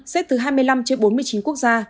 xếp từ hai mươi năm trên bốn mươi chín quốc gia